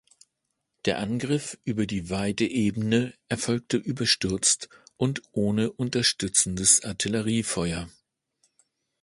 Der Angriff über die weite Ebene erfolgte überstürzt und ohne unterstützendes Artilleriefeuer.